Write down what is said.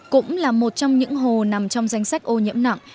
cũng là một trong những hồ nằm trong danh sách ô nhiễm nặng